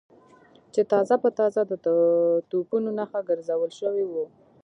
چې تازه په تازه د توپونو نښه ګرځول شوي و.